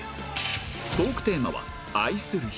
トークテーマは「愛する人」